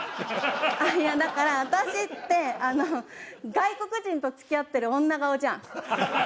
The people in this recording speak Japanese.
いやだから私ってあの外国人と付き合ってる女顔じゃん。